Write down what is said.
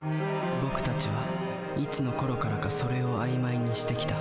僕たちはいつのころからか「それ」を曖昧にしてきた。